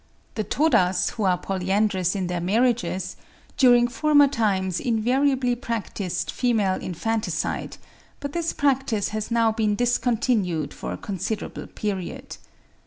The Todas, who are polyandrous in their marriages, during former times invariably practised female infanticide; but this practice has now been discontinued for a considerable period.